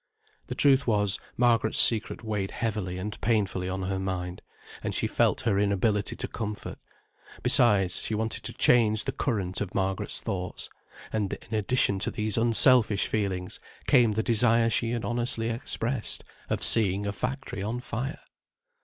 The truth was, Margaret's secret weighed heavily and painfully on her mind, and she felt her inability to comfort; besides, she wanted to change the current of Margaret's thoughts; and in addition to these unselfish feelings, came the desire she had honestly expressed, of seeing a factory on fire.